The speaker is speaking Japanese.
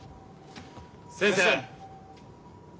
先生！